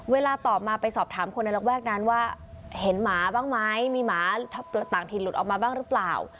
เวลาต่อมาไปสอบถามคนในระแวกนั้นว่าเห็นหมาบ้างไหมมีหมาต่างถิ่นหลุดออกมาบ้างหรือเปล่า